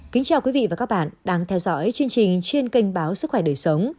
kính chào quý vị và các bạn đang theo dõi chương trình trên kênh báo sức khỏe đời sống